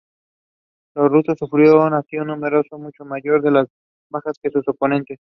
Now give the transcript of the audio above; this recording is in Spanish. Los rusos sufrieron así un número mucho mayor de bajas que sus oponentes.